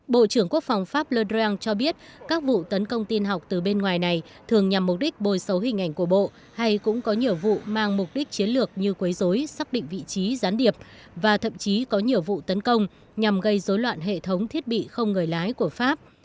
bộ trưởng quốc phòng pháp le drian cho biết các vụ tấn công tin học từ bên ngoài này thường nhằm mục đích bồi xấu hình ảnh của bộ hay cũng có nhiệm vụ mang mục đích chiến lược như quấy rối xác định vị trí gián điệp và thậm chí có nhiệm vụ tấn công nhằm gây rối loạn hệ thống thiết bị không người lái của pháp